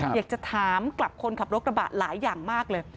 อยากจะถามกลับคนขับรถกระบะหลายอย่างมากเลย